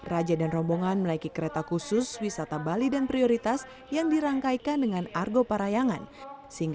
sehingga dalam waktu itu raja dan rombongan menaiki kereta khusus wisata bali dan prioritas yang dirangkaikan dengan argo parayangan